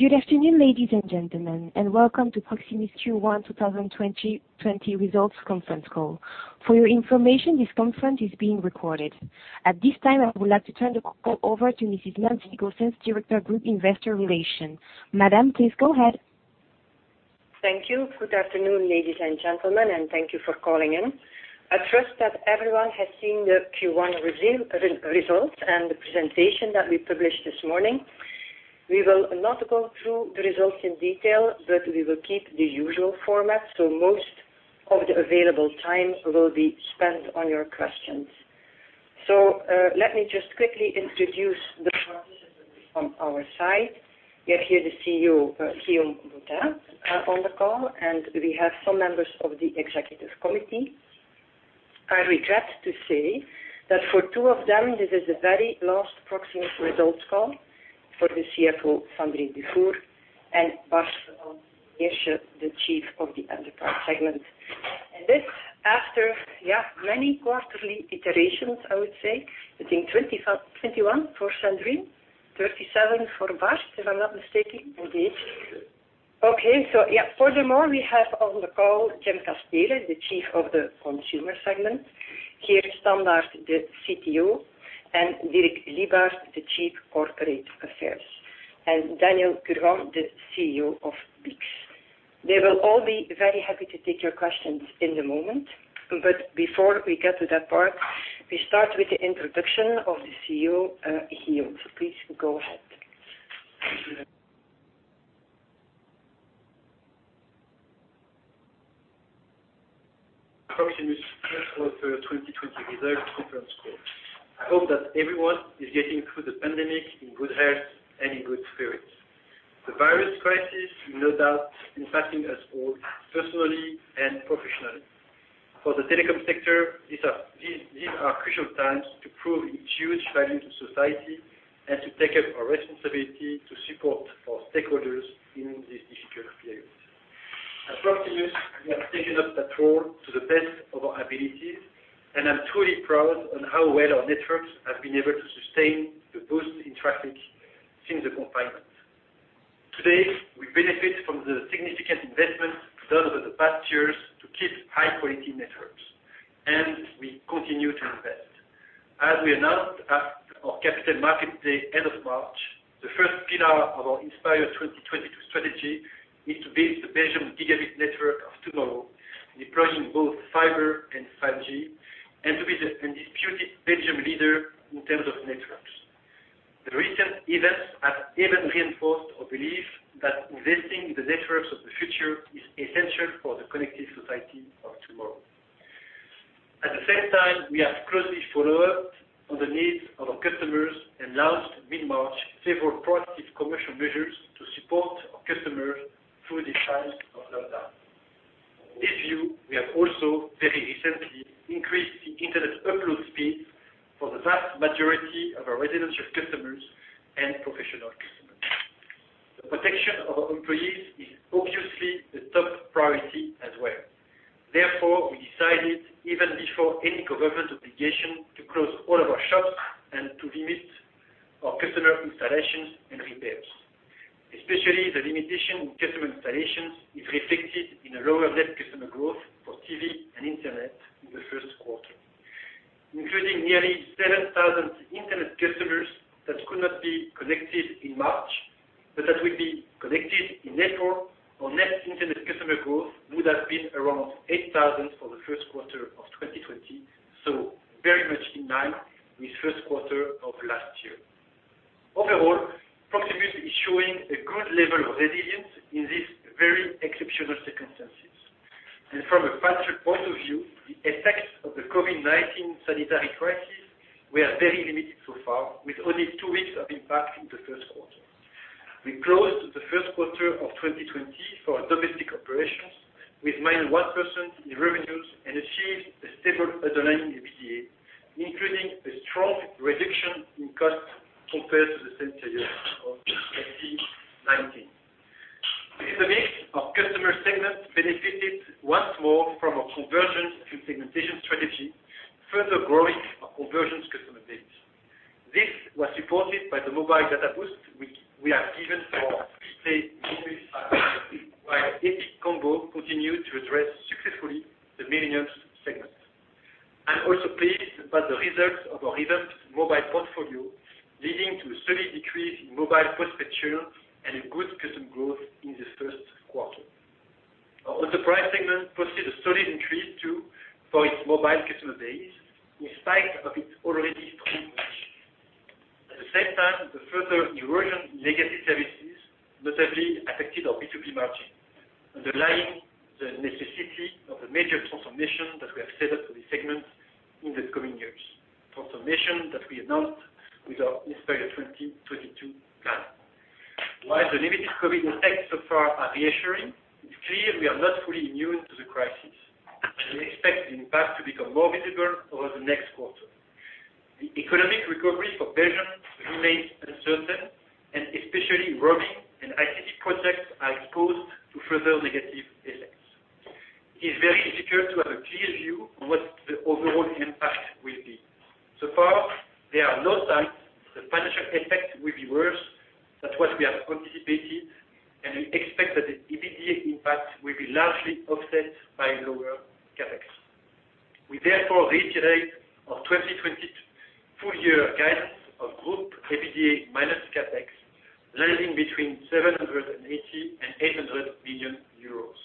Good afternoon, ladies and gentlemen, welcome to Proximus Q1 2020 results conference call. For your information, this conference is being recorded. At this time, I would like to turn the call over to Mrs. Nancy Goossens, Director of Group Investor Relations. Madam, please go ahead. Thank you. Good afternoon, ladies and gentlemen, and thank you for calling in. I trust that everyone has seen the Q1 results and the presentation that we published this morning. We will not go through the results in detail, but we will keep the usual format, most of the available time will be spent on your questions. Let me just quickly introduce the participants on our side. We have here the CEO, Guillaume Boutin, on the call, and we have some members of the executive committee. I regret to say that for two of them, this is the very last Proximus results call, for the CFO, Sandrine Dufour, and Bart Van Den Meersche, the chief of the enterprise segment. This after many quarterly iterations, I would say. I think 21 for Sandrine, 37 for Bart, if I'm not mistaken. Indeed. Okay. Yeah. Furthermore, we have on the call, Jim Casteele, the Chief of the Consumer Segment, Geert Standaert, the CTO, and Dirk Lybaert, the Chief Corporate Affairs, and Daniel Kurgan, the CEO of BICS. They will all be very happy to take your questions in the moment. Before we get to that part, we start with the introduction of the CEO, Guillaume. Please go ahead. Proximus first quarter 2020 results conference call. I hope that everyone is getting through the pandemic in good health and in good spirits. The virus crisis, no doubt, impacting us all personally and professionally. For the telecom sector, these are crucial times to prove its huge value to society and to take up our responsibility to support our stakeholders in these difficult periods. At Proximus, we have taken up that role to the best of our abilities, and I'm truly proud on how well our networks have been able to sustain the boost in traffic since the confinement. Today, we benefit from the significant investments done over the past years to keep high-quality networks, and we continue to invest. As we announced at our Capital Markets Day end of March, the first pillar of our Inspire 2022 strategy is to build the Belgian gigabit network of tomorrow, deploying both fiber and 5G, and to be the undisputed Belgian leader in terms of networks. The recent events have even reinforced our belief that investing in the networks of the future is essential for the connected society of tomorrow. At the same time, we have closely followed on the needs of our customers and launched mid-March several proactive commercial measures to support our customers through this time of lockdown. With you, we have also very recently increased the internet upload speed for the vast majority of our residential customers and professional customers. The protection of our employees is obviously a top priority as well. Therefore, we decided even before any government obligation to close all of our shops and to limit our customer installations and repairs. Especially the limitation on customer installations is reflected in a lower net customer growth for TV and internet in the first quarter. Including nearly 7,000 internet customers that could not be connected in March, but that will be connected in April, our net internet customer growth would have been around 8,000 for the first quarter of 2020, so very much in line with first quarter of last year. Overall, Proximus is showing a good level of resilience in these very exceptional circumstances. From a budget point of view, the effects of the COVID-19 sanitary crisis were very limited so far, with only two weeks of impact in the first quarter. We closed the first quarter of 2020 for our domestic operations with -1% in revenues and achieved a stable underlying EBITDA, including a strong reduction in cost compared to the same period of 2019. In the mix, our customer segment benefited once more from our conversion to segmentation strategy, further growing our conversions customer base. This was supported by the mobile data boost we have given for prepaid mobile customers, while Epic combo continued to address successfully the millennial segment. I'm also pleased about the results of our revamped mobile portfolio, leading to a steady decrease in mobile cost per share and a good customer growth in the first quarter. Our enterprise segment posted a solid increase too for its mobile customer base, in spite of its already strong position. At the same time, the further erosion in legacy services notably affected our B2B margin, underlying the necessity of a major transformation that we have set up for this segment in the coming years. Transformation that we announced with our Inspire 2022 plan. While the limited COVID effects so far are reassuring, it's clear we are not fully immune to the crisis, and we expect the impact to become more visible over the next quarter. The economic recovery for Belgium remains uncertain, especially roaming and IT projects are exposed to further negative effects. It's very difficult to have a clear view on what the overall impact. So far, there are no signs that the financial effect will be worse than what we have anticipated, and we expect that the EBITDA impact will be largely offset by lower CapEx. We therefore reiterate our 2020 full-year guidance of group EBITDA minus CapEx landing between 780 million and 800 million euros.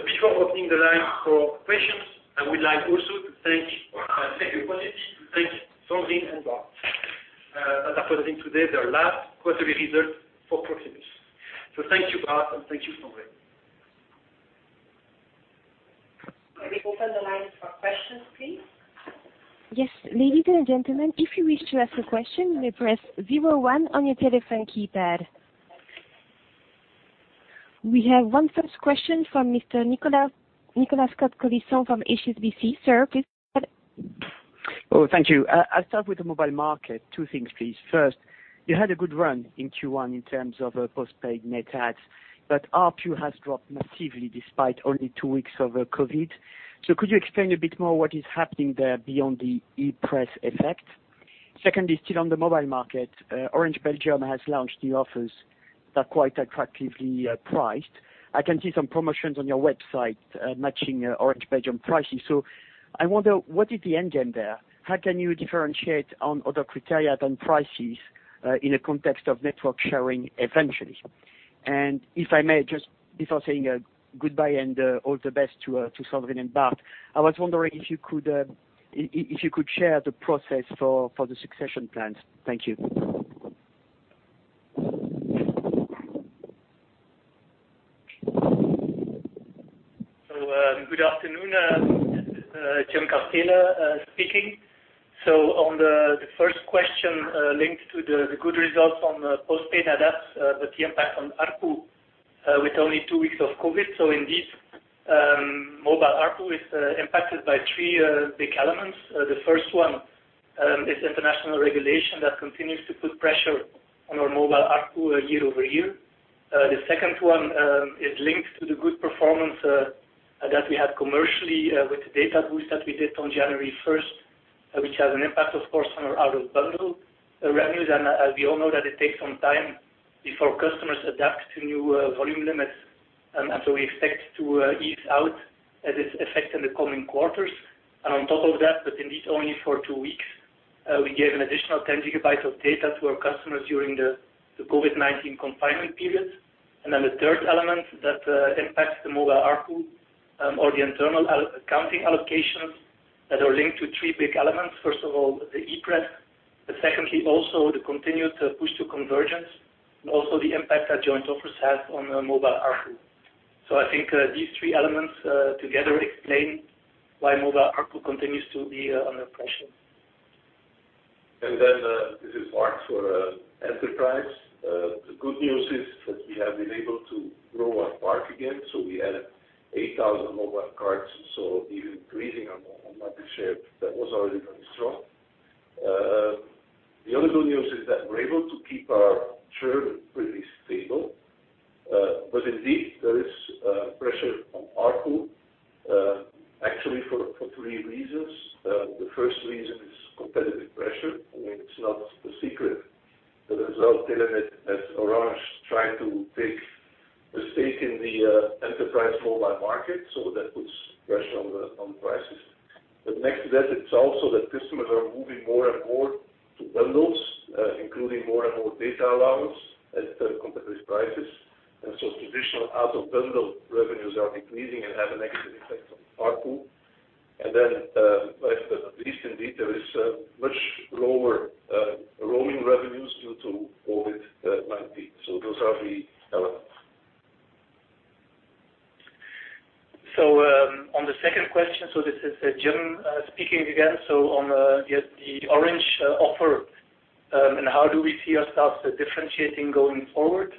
Before opening the line for questions, I would like also to thank our senior colleagues, to thank Sandrine and Bart as representing today their last quarterly results for Proximus. Thank you, Bart, and thank you, Sandrine. May we open the lines for questions, please? Yes. Ladies and gentlemen, if you wish to ask a question, you may press 01 on your telephone keypad. We have one first question from Mr. Nicolas Cote-Colisson from HSBC. Sir, please go ahead. Thank you. I'll start with the mobile market. Two things, please. First, you had a good run in Q1 in terms of postpaid net adds, but ARPU has dropped massively despite only two weeks of COVID. Could you explain a bit more what is happening there beyond the ePress effect? Secondly, still on the mobile market, Orange Belgium has launched new offers that are quite attractively priced. I can see some promotions on your website matching Orange Belgium pricing. I wonder, what is the end game there? How can you differentiate on other criteria than prices in a context of network sharing eventually? If I may, just before saying goodbye and all the best to Sandrine and Bart, I was wondering if you could share the process for the succession plans. Thank you. Good afternoon. This is Jim Casteele speaking. On the first question, linked to the good results on postpaid adds, but the impact on ARPU with only two weeks of COVID-19. Indeed, mobile ARPU is impacted by three big elements. The first one is international regulation that continues to put pressure on our mobile ARPU year-over-year. The second one is linked to the good performance that we had commercially with the data boost that we did on January 1st, which has an impact, of course, on our out-of-bundle revenues. As we all know that it takes some time before customers adapt to new volume limits. We expect to ease out this effect in the coming quarters. On top of that, but indeed only for two weeks, we gave an additional 10 gigabytes of data to our customers during the COVID-19 confinement period. The third element that impacts the mobile ARPU are the internal accounting allocations that are linked to three big elements. First of all, the ePress. Secondly, also the continued push to convergence, and also the impact that joint offers has on mobile ARPU. I think these three elements together explain why mobile ARPU continues to be under pressure. This is Bart for enterprise. The good news is that we have been able to grow our park again. We added 8,000 mobile cards, so even increasing our market share that was already very strong. The other good news is that we're able to keep our churn pretty stable. Indeed, there is pressure on ARPU, actually for three reasons. The first reason is competitive pressure. I mean, it's not a secret the result that Orange tried to take a stake in the enterprise mobile market, so that puts pressure on prices. Next to that, it's also that customers are moving more and more to bundles, including more and more data allowance at competitive prices. Traditional out-of-bundle revenues are decreasing and have a negative effect on ARPU. Last but not least, indeed, there is much lower roaming revenues due to COVID-19. Those are the elements. On the second question, this is Jim speaking again. On the Orange offer and how do we see ourselves differentiating going forward?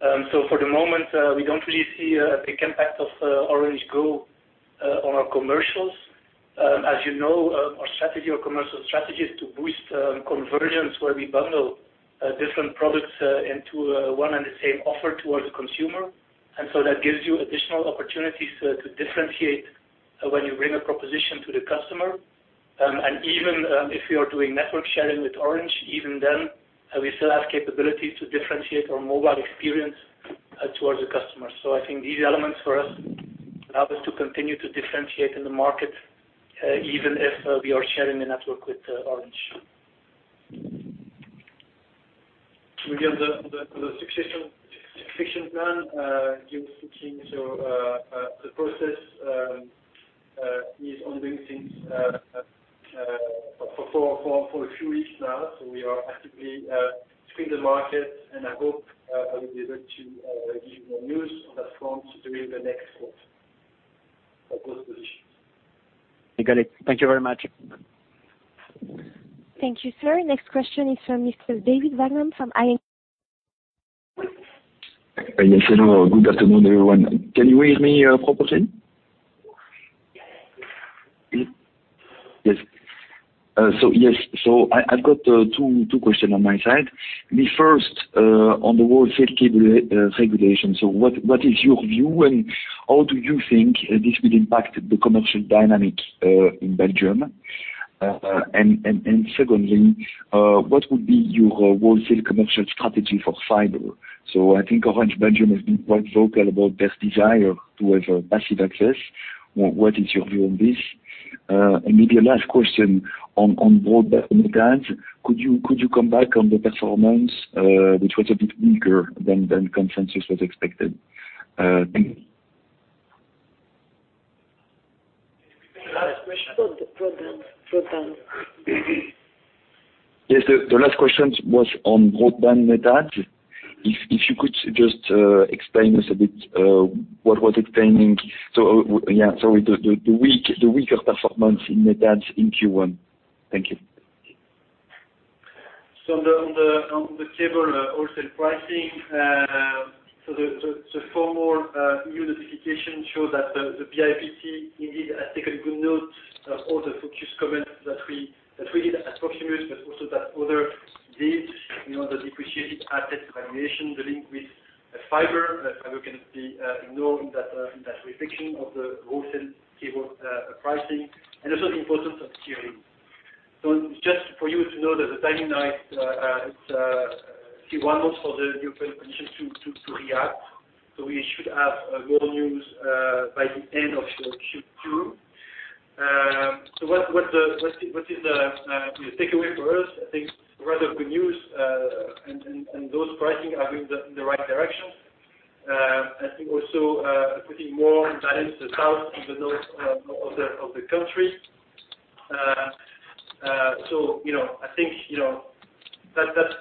For the moment, we don't really see a big impact of Orange Go on our commercials. As you know, our commercial strategy is to boost convergence where we bundle different products into one and the same offer towards the consumer. That gives you additional opportunities to differentiate when you bring a proposition to the customer. Even if we are doing network sharing with Orange, even then, we still have capability to differentiate our mobile experience towards the customer. I think these elements for us allow us to continue to differentiate in the market, even if we are sharing a network with Orange. Regarding the succession plan, Jim speaking. The process is ongoing since for a few weeks now. We are actively screening the market, and I hope I will be able to give you more news on that front during the next quarter for those positions. Got it. Thank you very much. Thank you, sir. Next question is from Mr. David Vagman from ING. Yes, hello. Good afternoon, everyone. Can you hear me properly? Yes. Yes. I've got two questions on my side. The first on the wholesale cable regulation. What is your view and how do you think this will impact the commercial dynamic in Belgium? Secondly, what would be your wholesale commercial strategy for fiber? I think Orange Belgium has been quite vocal about their desire to have passive access. What is your view on this? Maybe a last question on broadband net adds. Could you come back on the performance, which was a bit weaker than consensus was expected? Thank you. Last question. Broadband. Yes, the last question was on broadband net adds. If you could just explain us a bit what was explaining the weaker performance in net adds in Q1. Thank you. On the cable wholesale pricing, the formal new notification shows that the BIPT indeed has taken good note of all the focused comments that we did as Proximus, but also that other did. The depreciated asset valuation, the link with fiber. Fiber can be ignored in that reflection of the wholesale cable pricing, and also the importance of steering. Just for you to know that the timing now is few months for the European Commission to react. We should have more news by the end of Q2. What is the takeaway for us? I think rather good news, and those pricing are in the right direction. I think also putting more in balance the south and the north of the country. I think that's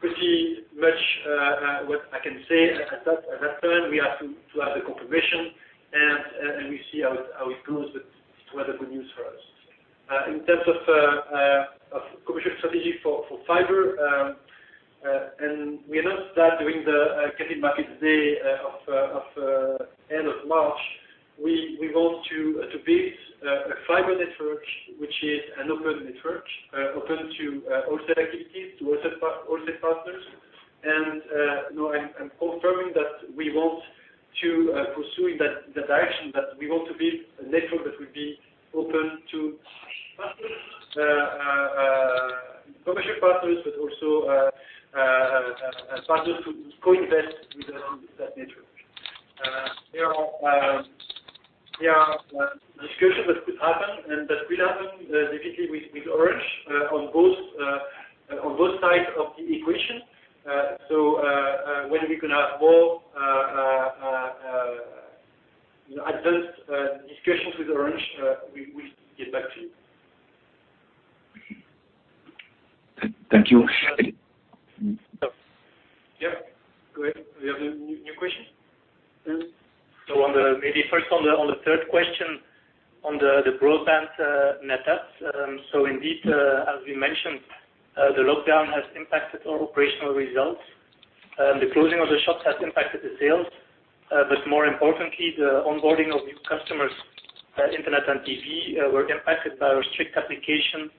pretty much what I can say at that time. We have to have the confirmation, and we see how it goes. It's rather good news for us. In terms of commercial strategy for fiber, we announced that during the Capital Markets Day of end of March. We want to build a fiber network, which is an open network, open to wholesale activities, to wholesale partners. I'm confirming that we want to pursue in that direction. That we want to build a network that will be open to partners, commercial partners, but also partners who co-invest with us in that network. There are discussions that could happen, and that will happen definitely with Orange on both sides of the equation. When we can have more advanced discussions with Orange, we will get back to you. Thank you. Yeah. Go ahead. We have a new question? Maybe first on the third question on the broadband net adds. Indeed, as we mentioned, the lockdown has impacted our operational results. The closing of the shops has impacted the sales. More importantly, the onboarding of new customers, internet and TV, were impacted by our strict application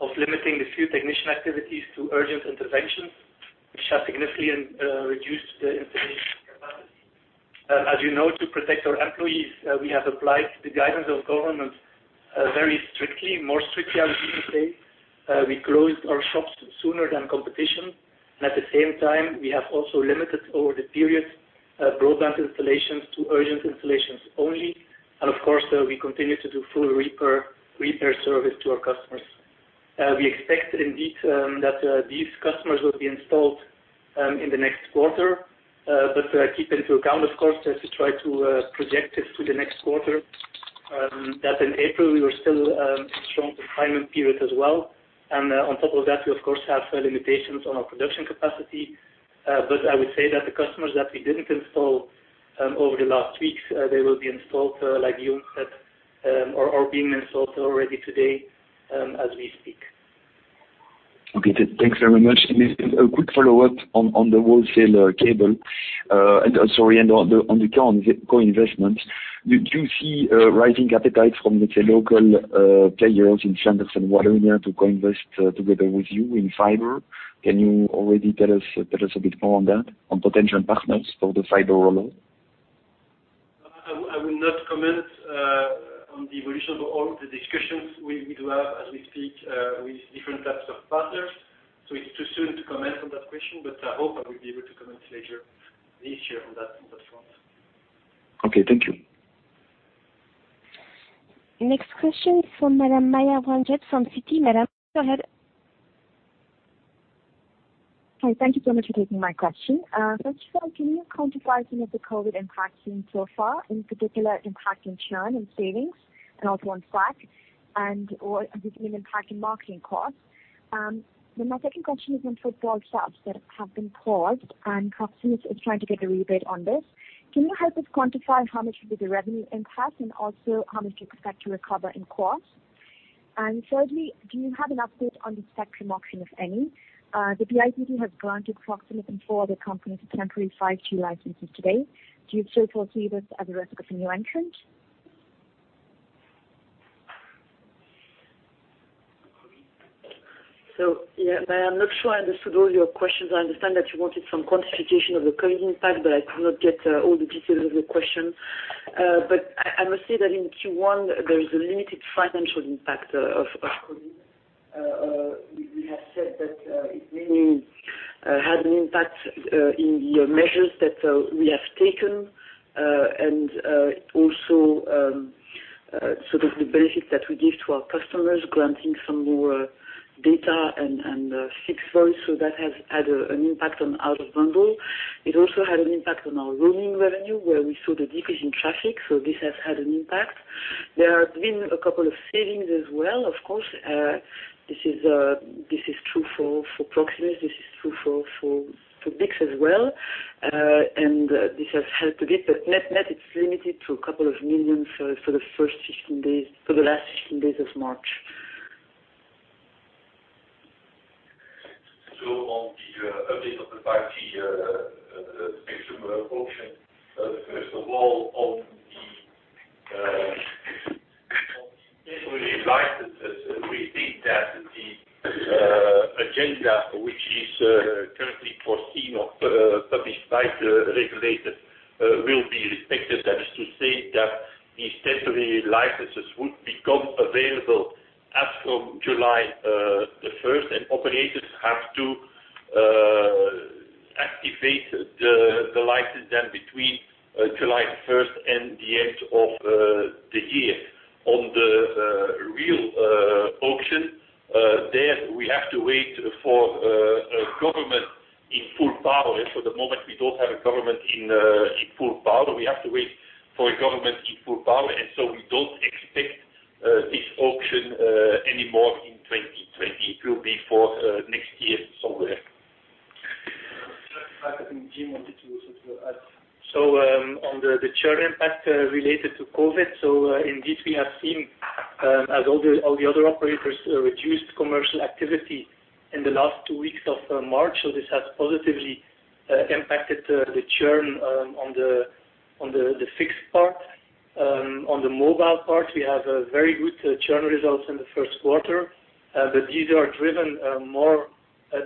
of limiting the field technician activities to urgent interventions, which has significantly reduced the installation capacity. As you know, to protect our employees, we have applied the guidance of government very strictly, more strictly I would even say. We closed our shops sooner than competition. At the same time, we have also limited over the period, broadband installations to urgent installations only. Of course, we continue to do full repair service to our customers. We expect indeed that these customers will be installed in the next quarter. Keep into account, of course, to try to project it to the next quarter, that in April we were still in a strong confinement period as well. On top of that, we of course have limitations on our production capacity. I would say that the customers that we didn't install over the last weeks, they will be installed, like Guillaume said, or are being installed already today as we speak. Okay. Thanks very much. A quick follow-up on the wholesale cable, sorry, on the co-investment. Do you see a rising appetite from the local players in Flanders and Wallonia to co-invest together with you in fiber? Can you already tell us a bit more on that, on potential partners for the fiber rollout? I will not comment on the evolution of all the discussions we do have as we speak with different types of partners. It's too soon to comment on that question, but I hope I will be able to comment later this year on that front. Okay, thank you. Next question is for Madam Maya Ranjet from Citi. Madam, go ahead. Hi. Thank you so much for taking my question. First of all, can you quantify some of the COVID impact seen so far, in particular impact in churn and savings and also on Slack and/or has been an impact in marketing costs? My second question is on football subs that have been paused and Proximus is trying to get a rebate on this. Can you help us quantify how much will be the revenue impact and also how much you expect to recover in costs? Thirdly, do you have an update on the spectrum auction, if any? The BIPT has granted Proximus and four other companies temporary 5G licenses today. Do you still foresee this as a risk of a new entrant? Yeah, I am not sure I understood all your questions. I understand that you wanted some quantification of the COVID impact, but I could not get all the details of your question. I must say that in Q1, there is a limited financial impact of COVID. We have said that it really had an impact in the measures that we have taken, and also the benefit that we give to our customers, granting some more data and fixed voice. That has had an impact on out of bundle. It also had an impact on our roaming revenue, where we saw the decrease in traffic. This has had an impact. There have been a couple of savings as well, of course. This is true for Proximus, this is true for BICS as well. This has helped a bit, but net, it's limited to a couple of million for the last 16 days of March. On the update of the 5G spectrum auction. First of all, that the temporary licenses would become available as from July 1st, and operators have to activate the license then between July 1st and the end of the year. On the real auction, there, we have to wait for a government in full power. For the moment, we don't have a government in full power. We have to wait for a government in full power, we don't expect this auction any more in 2020. It will be for next year somewhere. I think Jim wanted to also add. On the churn impact related to COVID. Indeed, we have seen, as all the other operators, reduced commercial activity in the last two weeks of March. This has positively impacted the churn on the fixed part. On the mobile part, we have very good churn results in the first quarter. These are driven more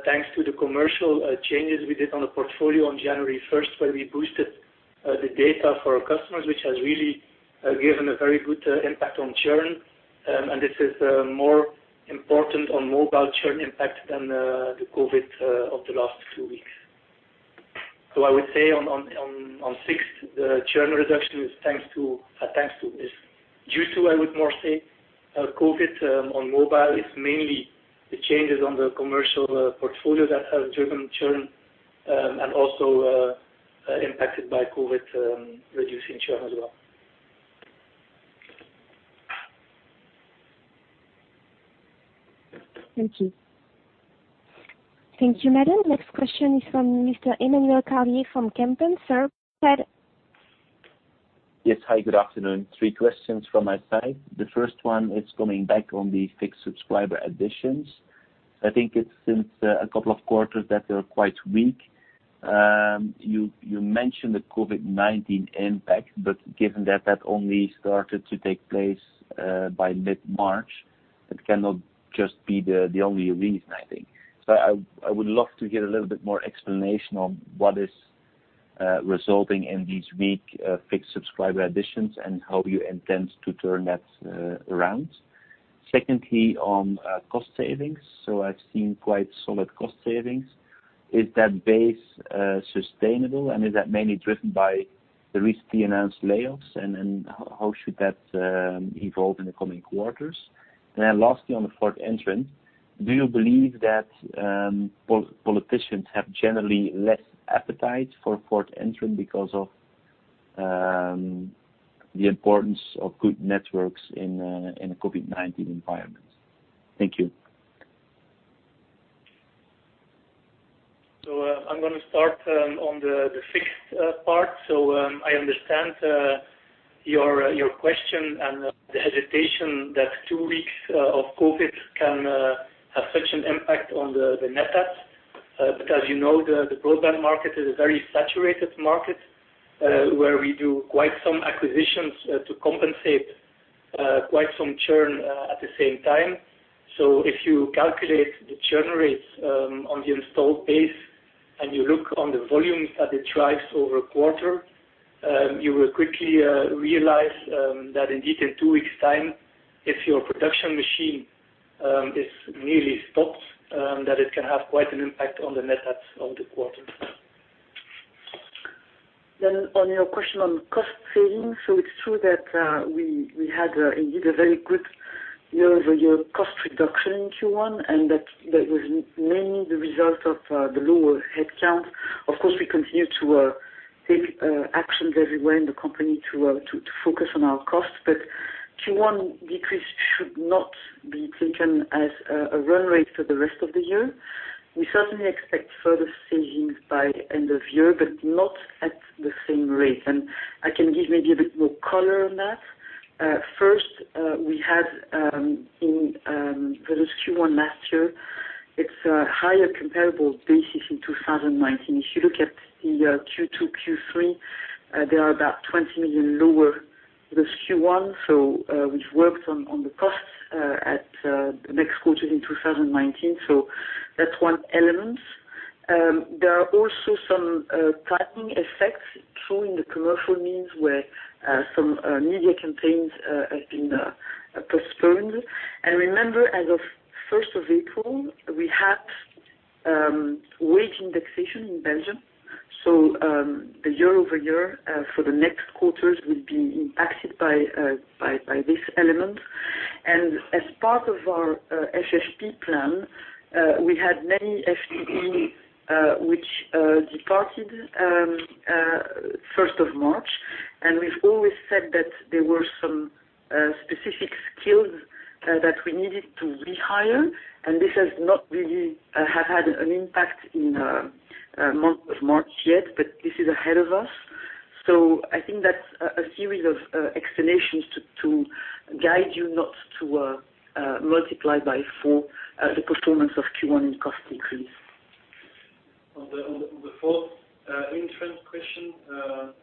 thanks to the commercial changes we did on the portfolio on January 1st, where we boosted the data for our customers, which has really given a very good impact on churn. This is more important on mobile churn impact than the COVID of the last two weeks. I would say on fixed, the churn reduction is thanks to this. Due to, I would more say, COVID on mobile, it's mainly the changes on the commercial portfolio that have driven churn, and also impacted by COVID reducing churn as well. Thank you. Thank you, madam. Next question is from Mr. Emmanuel Carlier from Kempen. Sir, go ahead. Yes. Hi, good afternoon. Three questions from my side. The first one is coming back on the fixed subscriber additions. I think it's since a couple of quarters that they're quite weak. You mentioned the COVID-19 impact, but given that that only started to take place by mid-March, it cannot just be the only reason, I think. I would love to get a little bit more explanation on what is resulting in these weak fixed subscriber additions and how you intend to turn that around. Secondly, on cost savings. I've seen quite solid cost savings. Is that base sustainable, and is that mainly driven by the recently announced layoffs, and how should that evolve in the coming quarters? Lastly, on the fourth entrant, do you believe that politicians have generally less appetite for fourth entrant because of the importance of good networks in a COVID-19 environment? Thank you. I'm going to start on the fixed part. I understand your question and the hesitation that two weeks of COVID can have such an impact on the net adds. You know the broadband market is a very saturated market, where we do quite some acquisitions to compensate quite some churn at the same time. If you calculate the churn rates on the installed base, and you look on the volumes that it drives over a quarter, you will quickly realize that indeed in two weeks' time, if your production machine is nearly stopped, that it can have quite an impact on the net adds of the quarter. On your question on cost savings. It's true that we had indeed a very good year-over-year cost reduction in Q1, and that was mainly the result of the lower headcount. Of course, we continue to take actions everywhere in the company to focus on our costs, Q1 decrease should not be taken as a run rate for the rest of the year. We certainly expect further savings by end of year, not at the same rate. I can give maybe a bit more color on that. First, we had versus Q1 last year, it's a higher comparable basis in 2019. If you look at the Q2, Q3, there are about 20 million lower, it was Q1, we've worked on the costs at the next quarter in 2019. That's one element. There are also some tightening effects through in the commercial means where some media campaigns have been postponed. Remember, as of 1st of April, we had wage indexation in Belgium. The year-over-year for the next quarters will be impacted by this element. As part of our SFP plan, we had many FTEs which departed 1st of March. We've always said that there were some specific skills that we needed to rehire, and this has not really had an impact in the month of March yet, but this is ahead of us. I think that's a series of explanations to guide you not to multiply by four the performance of Q1 in cost increase. On the fourth entrance question,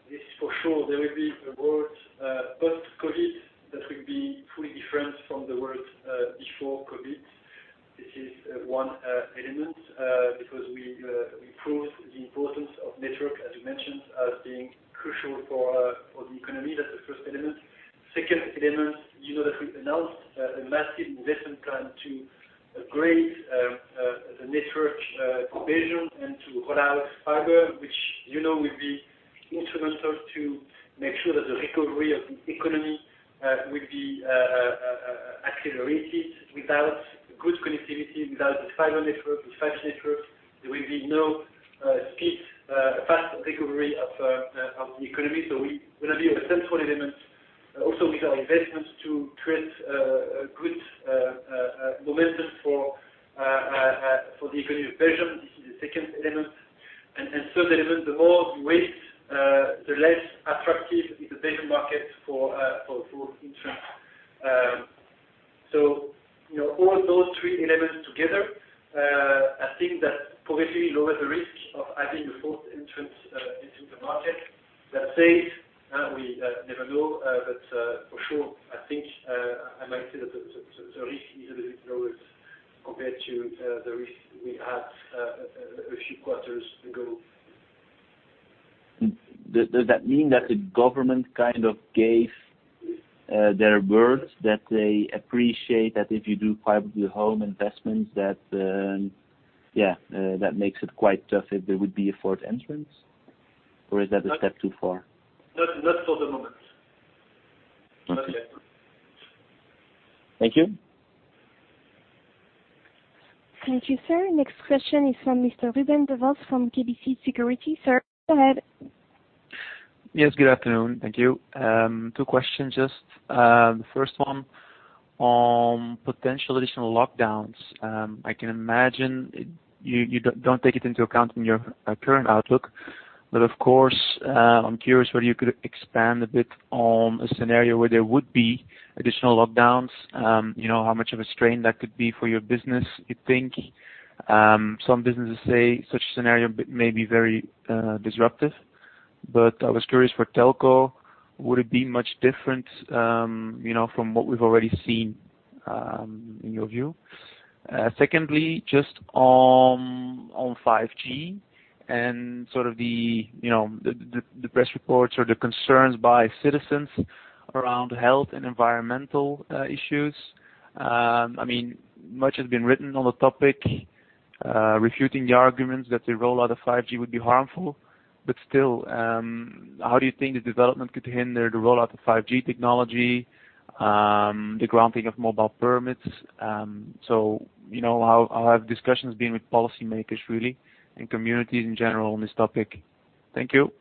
this is for sure, there will be a world post-COVID that will be fully different from the world before COVID. This is one element, because we proved the importance of network, as you mentioned, as being crucial for the economy. That's the first element. Second element, you know that we've announced a massive investment plan to upgrade the network to Belgium and to roll out fiber, which you know will be instrumental to make sure that the recovery of the economy will be accelerated. Without good connectivity, without the fiber network, the 5G network, there will be no speed, fast recovery of the economy. We're going to be a central element also with our investments to create a good momentum for the economy of Belgium. This is the second element. Third element, the more you wait, the less attractive is the Belgian market for entrance. All those three elements together, I think that probably lower the risk of having a fourth entrance into the market. That said, we never know, but for sure, I think, I might say that the risk is a little bit lower compared to the risk we had a few quarters ago. Does that mean that the government kind of gave their word that they appreciate that if you do fiber to the home investments, that makes it quite tough if there would be a fourth entrance? Is that a step too far? Not for the moment. Okay. Thank you. Thank you, sir. Next question is from Mr. Ruben Devos from KBC Securities. Sir, go ahead. Yes, good afternoon. Thank you. Two questions, just. The first one on potential additional lockdowns. I can imagine you don't take it into account in your current outlook, of course, I'm curious whether you could expand a bit on a scenario where there would be additional lockdowns. How much of a strain that could be for your business, you think? Some businesses say such a scenario may be very disruptive. I was curious for telco, would it be much different from what we've already seen, in your view? Secondly, just on 5G and sort of the press reports or the concerns by citizens around health and environmental issues. Much has been written on the topic, refuting the arguments that the rollout of 5G would be harmful. Still, how do you think the development could hinder the rollout of 5G technology, the granting of mobile permits? How have discussions been with policymakers really, and communities in general on this topic? Thank you.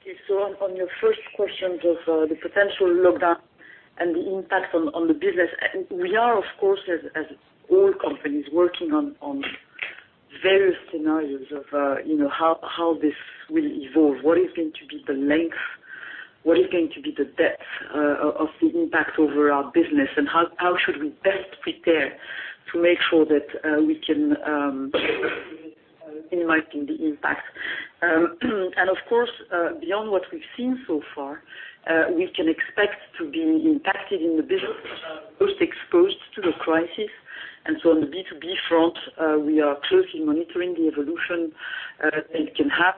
Okay. On your first question of the potential lockdown and the impact on the business, we are, of course, as all companies, working on various scenarios of how this will evolve, what is going to be the length, what is going to be the depth of the impact over our business, and how should we best prepare to make sure that we can minimize the impact. Of course, beyond what we've seen so far, we can expect to be impacted in the business most exposed to the crisis. On the B2B front, we are closely monitoring the evolution it can have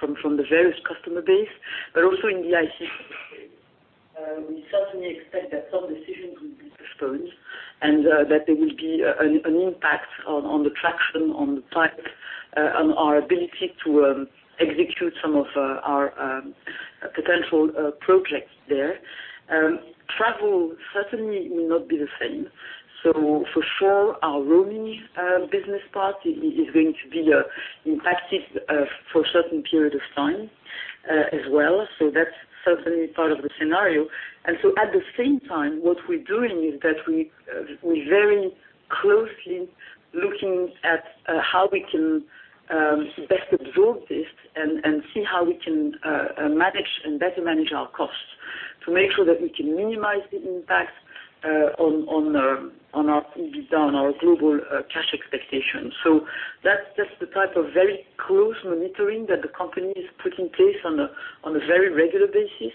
from the various customer base. Also in the ICT space, we certainly expect that some decisions will be postponed and that there will be an impact on the traction, on the type, on our ability to execute some of our potential projects there. Travel certainly will not be the same. For sure, our roaming business part is going to be impacted for a certain period of time as well. That's certainly part of the scenario. At the same time, what we're doing is that we're very closely looking at how we can best absorb this and see how we can manage and better manage our costs to make sure that we can minimize the impact on our global cash expectations. That's the type of very close monitoring that the company is putting in place on a very regular basis,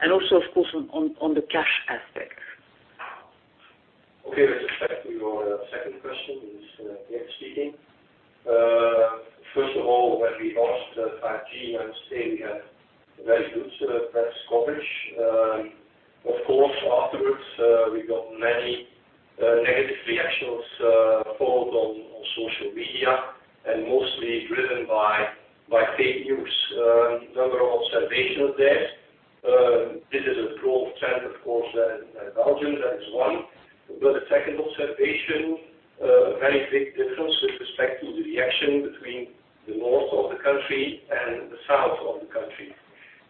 and also, of course, on the cash aspect. Okay. With respect to your second question, it is Pierre speaking. First of all, when we launched 5G, I would say we had very good press coverage. Of course, afterwards, we got many negative reactions followed on social media and mostly driven by fake news. A number of observations there. This is a global trend, of course, in Belgium, that is one. A second observation, a very big difference with respect to the reaction between the north of the country and the south of the country.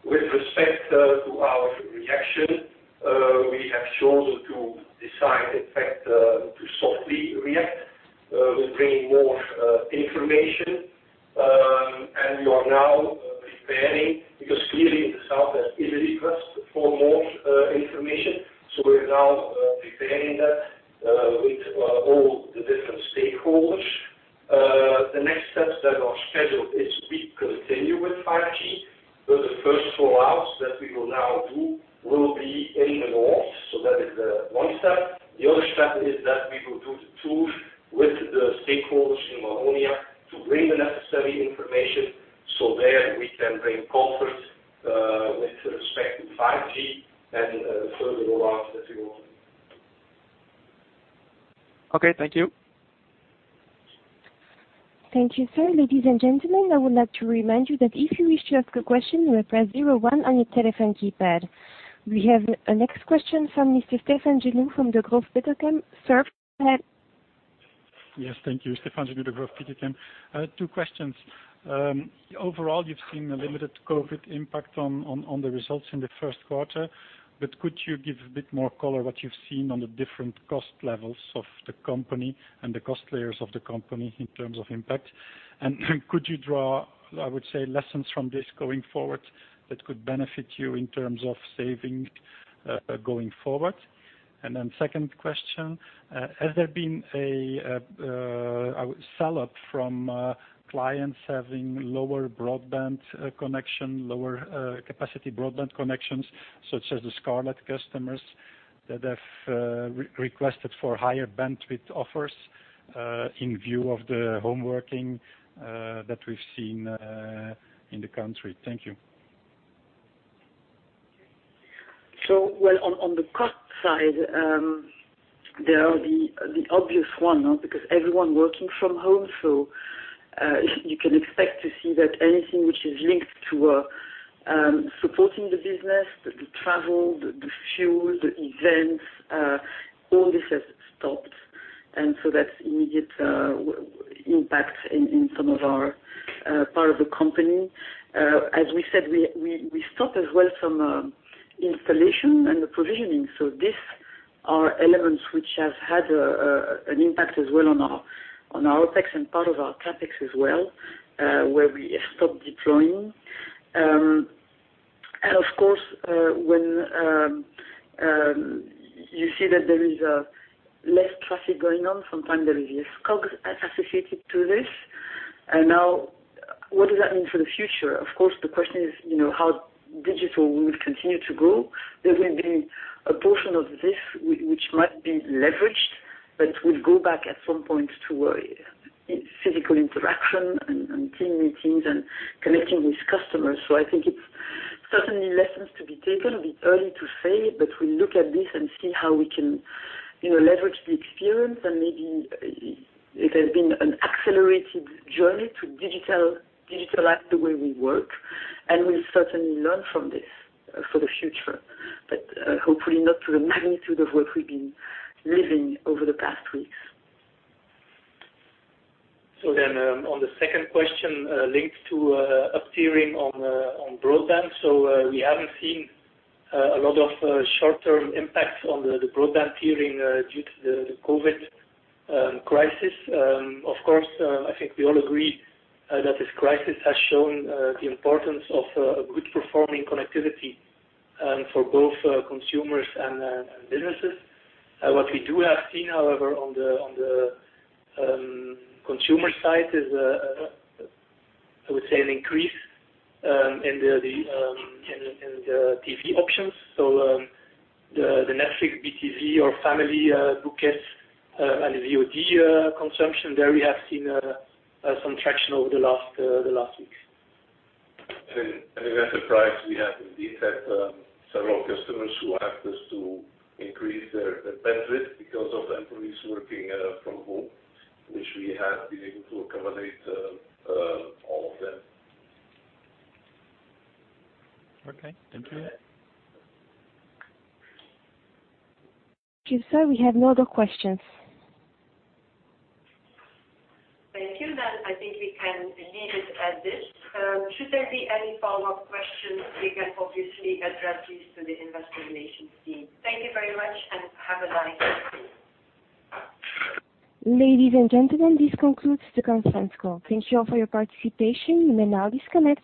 With respect to our reaction, we have chosen to decide, in fact, to softly react. We're bringing more information, and we are now preparing, because clearly the south has easily asked for more information. We're now preparing that with all the different stakeholders. The next steps that are scheduled is we continue with 5G. The first roll-out that we will now do will be in the north. That is one step. The other step is that we will do the tour with the stakeholders in Wallonia to bring the necessary information so there we can bring comfort with respect to 5G and further roll-out that we want. Okay, thank you. Thank you, sir. Ladies and gentlemen, I would like to remind you that if you wish to ask a question, you may press zero one on your telephone keypad. We have a next question from Mr. Stefaan Genoe from Degroof Petercam. Sir. Yes. Thank you. Stefaan Genoe, Degroof Petercam. Two questions. Overall, you've seen a limited COVID impact on the results in the first quarter, but could you give a bit more color what you've seen on the different cost levels of the company and the cost layers of the company in terms of impact? Could you draw, I would say, lessons from this going forward that could benefit you in terms of saving, going forward? Second question, has there been a sell-up from clients having lower broadband connection, lower capacity broadband connections, such as the Scarlet customers that have requested for higher bandwidth offers, in view of the home working that we've seen in the country? Thank you. Well, on the cost side, there are the obvious one, because everyone working from home. You can expect to see that anything which is linked to supporting the business, the travel, the shows, events, all this has stopped. That's immediate impact in some of our part of the company. As we said, we stop as well some installation and the provisioning. These are elements which have had an impact as well on our OPEX and part of our CAPEX as well, where we have stopped deploying. Of course, when you see that there is less traffic going on, sometimes there is a cost associated to this. What does that mean for the future? Of course, the question is how digital we will continue to go. There will be a portion of this which might be leveraged, but will go back at some point to a physical interaction and team meetings and connecting with customers. I think it's certainly lessons to be taken. A bit early to say, we look at this and see how we can leverage the experience. Maybe it has been an accelerated journey to digitalize the way we work, and we'll certainly learn from this for the future. Hopefully not to the magnitude of what we've been living over the past weeks. On the second question, linked to tiering on broadband. We haven't seen a lot of short-term impacts on the broadband tiering due to the COVID-19 crisis. Of course, I think we all agree that this crisis has shown the importance of good performing connectivity for both consumers and businesses. What we do have seen, however, on the consumer side is, I would say, an increase in the TV options. The Netflix, Be tv, or family bouquets and VOD consumption, there we have seen some traction over the last week. In Enterprise, we have indeed had several customers who asked us to increase their bandwidth because of employees working from home, which we have been able to accommodate all of them. Okay. Thank you. Thank you, sir. We have no other questions. Thank you. I think we can leave it at this. Should there be any follow-up questions, we can obviously address these to the investor relations team. Thank you very much, and have a nice day. Ladies and gentlemen, this concludes the conference call. Thank you all for your participation. You may now disconnect.